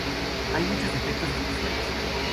Hay muchos efectos especiales.